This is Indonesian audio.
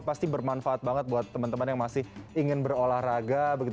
pasti bermanfaat banget buat teman teman yang masih ingin berolahraga begitu